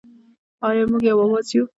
آیا موږ یو اواز یو؟